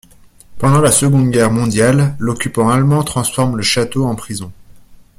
Pendant le Seconde Guerre mondiale l'occupant allemand transforme le château en prison.